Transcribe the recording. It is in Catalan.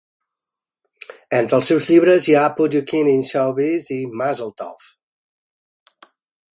Entre els seus llibres hi ha "Put Your Kid in Show Biz" i "Mazel Tov!